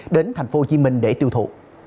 đến thành phố hồ chí minh để tiêu thụ